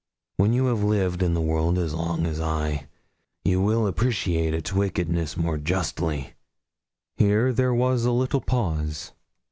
When you have lived as long in the world as I, you will appreciate its wickedness more justly.' Here there was a little pause.